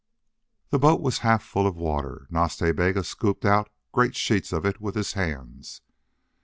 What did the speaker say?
The boat was half full of water. Nas Ta Bega scooped out great sheets of it with his hands.